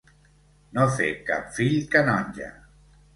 No fer cap fill canonge.